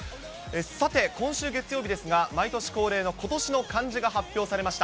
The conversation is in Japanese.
さて、今週月曜日ですが、毎年恒例の今年の漢字が発表されました。